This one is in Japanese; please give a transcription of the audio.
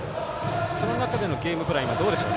その中でのゲームプランはどうでしょう。